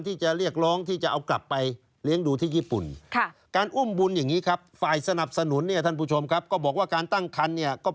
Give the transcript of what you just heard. ที่เป็นเชื้อไขของไอชิเกตะเนี่ย